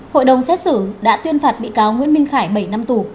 hội đồng xét xử đã tuyên phạt bị cáo nguyễn minh khải bảy năm tù